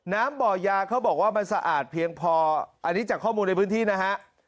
น้ำบ่อยาเขาบอกว่ามันสะอาดเพียงพออันนี้จากข้อมูลในพื้นที่นะฮะ